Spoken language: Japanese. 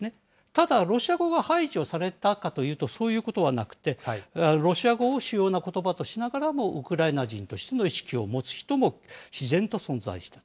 ただ、ロシア語が排除されたかというとそういうことはなくて、ロシア語を主要なことばとしながらも、ウクライナ人としての意識を持つ人も、自然と存在した。